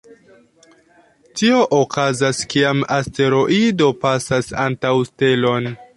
Tio okazas kiam asteroido pasas antaŭ stelon.